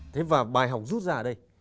thế và bài học rút ra đây